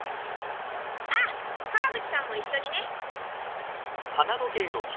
あっ川口さんも一緒にね。